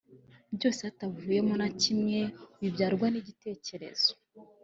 byose hatavuyeho na kimwe bibyarwa n’ igitekerezo